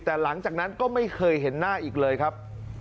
แต่หลังจากนั้นก็ไม่เคยเห็นหน้าอีกเลยครับ